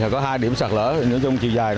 có hai điểm sạt lở nếu chung chiều dài